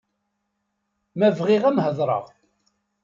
Ma bɣiɣ ad m-heḍreɣ.